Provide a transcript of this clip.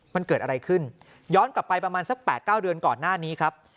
มันเกิดอะไรขึ้นย้อนกลับไปประมาณสัก๘๙เดือนก่อนหน้านี้ครับ